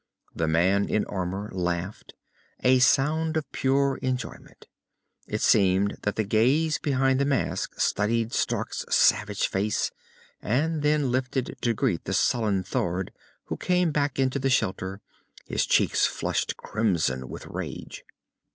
The man in armor laughed, a sound of pure enjoyment. It seemed that the gaze behind the mask studied Stark's savage face, and then lifted to greet the sullen Thord who came back into the shelter, his cheeks flushed crimson with rage.